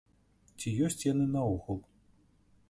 Ці ёсць яны наогул?